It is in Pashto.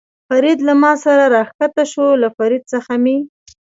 فرید له ما سره را کښته شو، له فرید څخه مې.